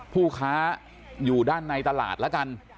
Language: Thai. ผู้ค้าอยู่ด้านในตลาดแล้วกัน